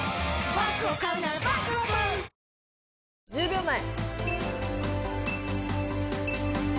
１０秒前。